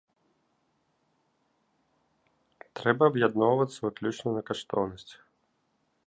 Трэба аб'ядноўвацца выключна на каштоўнасцях.